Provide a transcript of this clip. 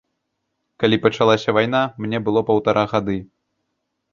Калі пачалася вайна, мне было паўтара гады.